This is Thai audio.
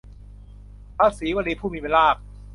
พระสีวลี ผู้มีลาภ